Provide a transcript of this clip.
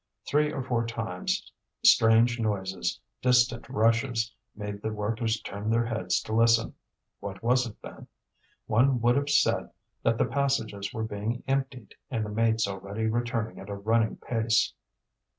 Three or four times strange noises, distant rushes, made the workers turn their heads to listen. What was it, then? One would have said that the passages were being emptied and the mates already returning at a running pace.